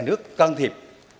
nhà nước can thiệp